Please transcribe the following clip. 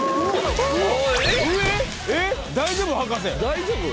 大丈夫？